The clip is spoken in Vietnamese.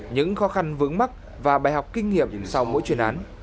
những khó khăn vướng mắt và bài học kinh nghiệm sau mỗi chuyên án